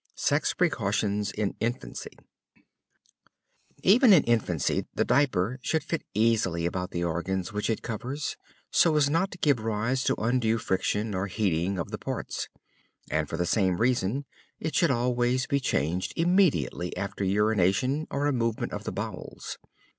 SEX PRECAUTIONS IN INFANCY Even in infancy, the diaper should fit easily about the organs which it covers, so as not to give rise to undue friction or heating of the parts. And for the same reason it should always be changed immediately after urination or a movement of the bowels.